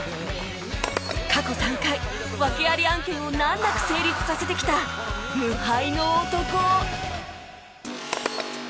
過去３回訳あり案件を難なく成立させてきた無敗の男